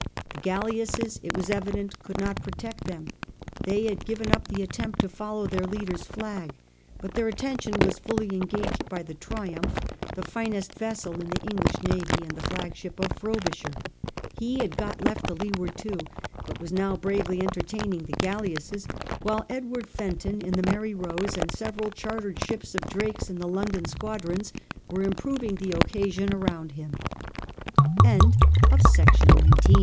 The galleasses, it was evident, could not protect them. They had given up the attempt to follow their leader's flag, but their attention was fully engaged by the Triumph, the finest vessel in the English navy and the flagship of Frobisher. He had got left to leeward too, but was now bravely entertaining the galleasses, while Edward Fenton, in the Mary Rose, and several chartered ships of Drake's and the London squadrons were improving the occasion 158 S/^ FRANCIS DRAKE chap. around him. Seeing th